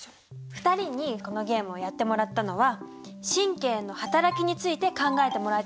２人にこのゲームをやってもらったのは神経の働きについて考えてもらいたかったからなんだ。